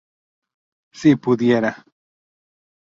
Si pudiera.